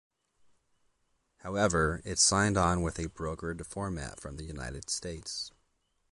However, it signed on with a brokered format from the United States.